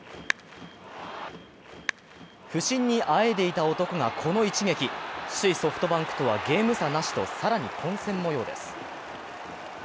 不振にあえいでいた男が、この一撃首位ソフトバンクとはゲーム差なしと更に混戦模様です。